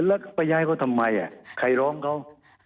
แล้วไปย้ายเขาทำไมใครร้องเขา